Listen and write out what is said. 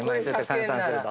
換算すると。